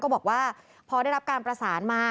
บอกว่าพอได้รับการประสานมา